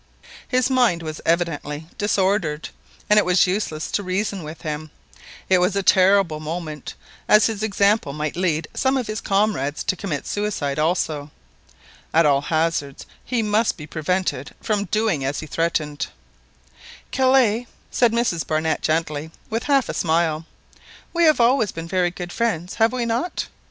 His mind was evidently disordered, and it was useless to reason with him. It was a terrible moment, as his example might lead some of his comrades to commit suicide also. At all hazards he must be prevented from doing as he threatened. "Kellet," said Mrs Barnett gently, with a half smile, "we have always been very good friends, have we not?"